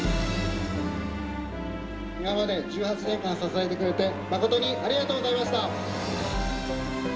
今まで１８年間支えてくれて、誠にありがとうございました。